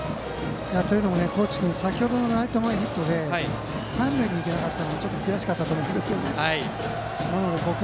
というのもね、河内君先程のライト前ヒットで三塁に行けなかったのが悔しかったと思うんですね。